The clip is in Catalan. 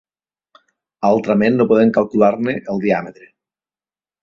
Altrament no podem calcular-ne el diàmetre.